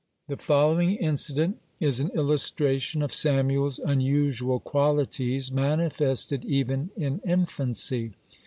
The following incident is an illustration of Samuel's unusual qualities manifested even in infancy.